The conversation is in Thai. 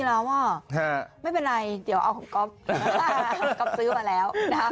แล้วอ่ะฮะไม่เป็นไรเดี๋ยวเอาของก๊อบก๊อบซื้อมาแล้ว